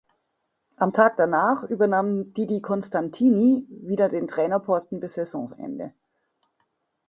Am Tag danach übernahm Didi Constantini wieder den Trainerposten bis Saisonende.